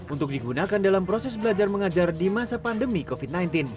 untuk digunakan dalam proses belajar mengajar di masa pandemi covid sembilan belas